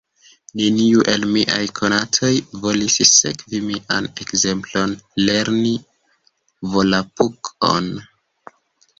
Neniu el miaj konatoj volis sekvi mian ekzemplon, lerni Volapuk-on.